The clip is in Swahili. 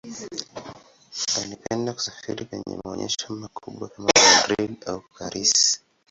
Alipenda kusafiri penye maonyesho makubwa kama Madrid au Paris.